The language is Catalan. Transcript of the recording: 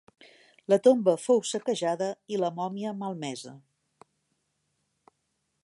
La tomba fou saquejada i la mòmia malmesa.